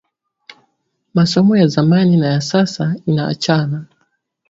Masomo ya zamani naya sasa inaachana